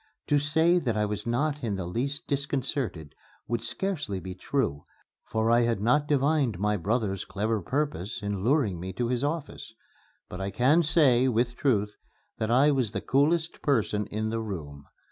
To say that I was not in the least disconcerted would scarcely be true, for I had not divined my brother's clever purpose in luring me to his office. But I can say, with truth, that I was the coolest person in the room.